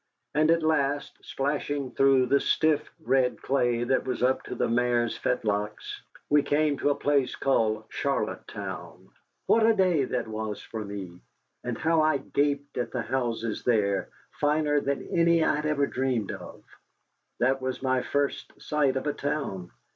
And at last, splashing through the stiff red clay that was up to the mare's fetlocks, we came to a place called Charlotte Town. What a day that was for me! And how I gaped at the houses there, finer than any I had ever dreamed of! That was my first sight of a town.